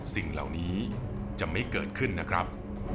สิ่งเหล่านี้จะไม่เกิดขึ้นนะครับ